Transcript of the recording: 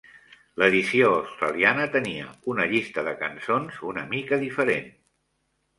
L'edició australiana tenia una llista de cançons una mica diferent.